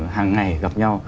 hàng ngày gặp nhau